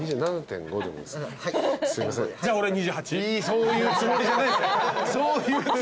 そういうつもりじゃないです。